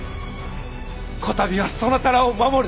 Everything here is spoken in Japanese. こたびはそなたらを守る！